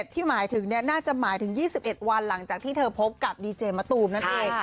ที่หมายถึงน่าจะหมายถึง๒๑วันหลังจากที่เธอพบกับดีเจมะตูมนั่นเอง